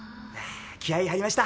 気合い入りました。